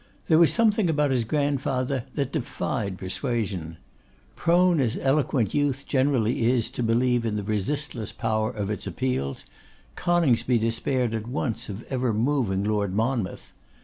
There was something about his grandfather that defied persuasion. Prone as eloquent youth generally is to believe in the resistless power of its appeals, Coningsby despaired at once of ever moving Lord Monmouth.